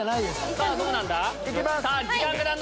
さぁどうなんだ？